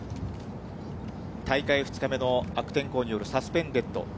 大会２日目の悪天候によるサスペンデッド。